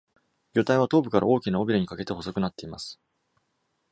魚体は頭部から大きな尾ヒレにかけて細くなっています。